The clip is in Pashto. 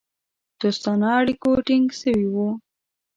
دوستانه اړیکو ټینګ سوي وه.